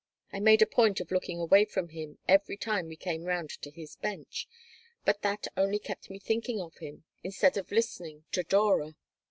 I made a point of looking away from him every time we came round to his bench, but that only kept me thinking of him instead of listening to Dora.